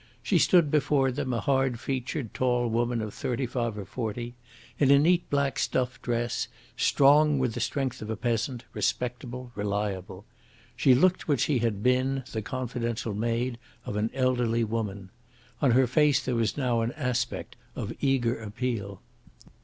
She stood before them a hard featured, tall woman of thirty five or forty, in a neat black stuff dress, strong with the strength of a peasant, respectable, reliable. She looked what she had been, the confidential maid of an elderly woman. On her face there was now an aspect of eager appeal.